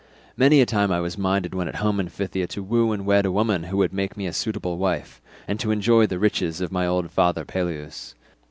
Many a time was I minded when at home in Phthia to woo and wed a woman who would make me a suitable wife, and to enjoy the riches of my old father Peleus.